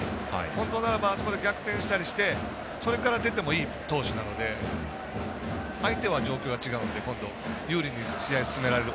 本当ならばあそこで逆転したりしてそこから出てもいい投手なので相手は状況が違うので、今度有利に試合を進められる。